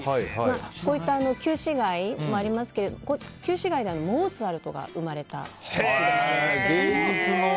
こういった旧市街もありますけど旧市街は、モーツアルトが生まれた街で。